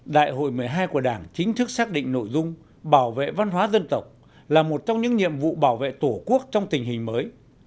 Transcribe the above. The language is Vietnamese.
đại hội một mươi hai của đảng chính thức xác định nội dung bảo vệ văn hóa dân tộc là một trong những nhiệm vụ bảo vệ tổ quốc trong tình hình mới